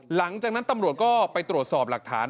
หลังจากนั้นตำรวจก็ไปตรวจสอบหลักฐาน